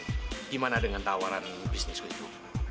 bagaimana dengan tawaran bisnis ke ibu